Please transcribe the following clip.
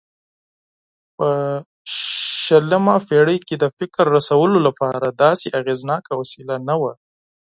په شلمه پېړۍ کې د فکر رسولو لپاره داسې اغېزناکه وسیله نه وه.